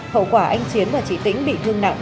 hậu quả anh chiến và chị tĩnh bị thương nặng